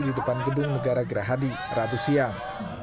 di depan gedung negara gerahadi rabu siang